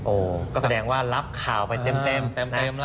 โอ้ก็แสดงว่ารับข่าวไปเต็ม